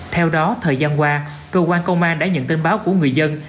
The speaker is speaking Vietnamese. theo đó thời gian qua cơ quan công an đã nhận tin báo của người dân